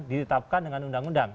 ditetapkan dengan undang undang